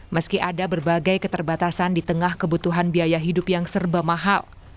meski ada berbagai keterbatasan di tengah kebutuhan biaya hidup yang serba mahal